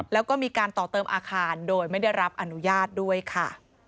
แล้วก็มีการต่อเติมอาคารโดยไม่ได้รับอนุญาตด้วยค่ะ